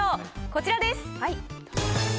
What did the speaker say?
こちらです。